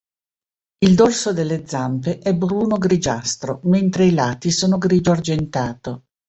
Il dorso delle zampe è bruno-grigiastro, mentre i lati sono grigio-argentato.